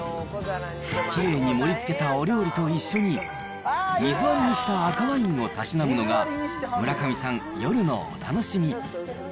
きれいに盛りつけたお料理と一緒に、水割りにした赤ワインをたしなむのが、村上さん、夜のお楽しみ。